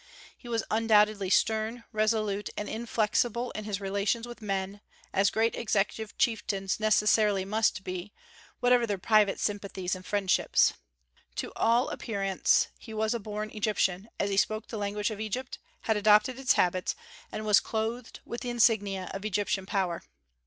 He was undoubtedly stern, resolute, and inflexible in his relations with men, as great executive chieftains necessarily must be, whatever their private sympathies and friendships. To all appearance he was a born Egyptian, as he spoke the language of Egypt, had adopted its habits, and was clothed with the insignia of Egyptian power.